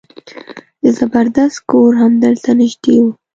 د زبردست کور همدلته نژدې و.